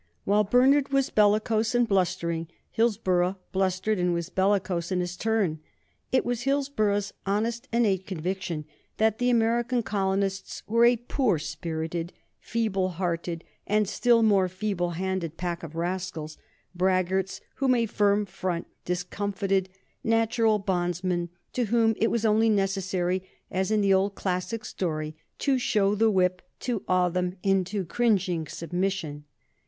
Where Bernard was bellicose and blustering, Hillsborough blustered and was bellicose in his turn. It was Hillsborough's honest, innate conviction that the American colonists were a poor spirited, feeble hearted, and still more feeble handed pack of rascals, braggarts whom a firm front discomfited, natural bondsmen to whom it was only necessary, as in the old classic story, to show the whip to awe them into cringing submission.